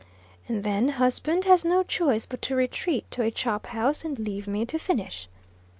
And, then, husband has no choice but to retreat to a chop house, and leave me to finish.